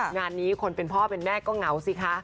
งานนี้คนเป็นพ่อเป็นแม่ก็เหงาสิคะ